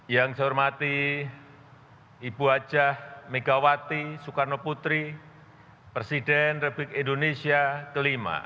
yang saya hormati ibu hajah megawati soekarno putri presiden republik indonesia ke lima